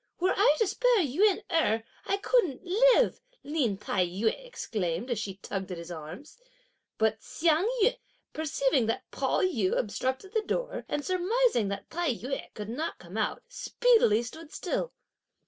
"Were I to spare Yün Erh, I couldn't live!" Lin Tai yü exclaimed, as she tugged at his arms. But Hsiang yün, perceiving that Pao yü obstructed the door, and surmising that Tai yü could not come out, speedily stood still.